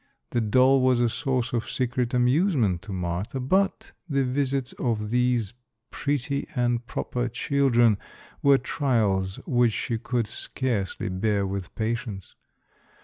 The doll was a source of secret amusement to Martha, but the visits of these pretty and proper children were trials which she could scarcely bear with patience.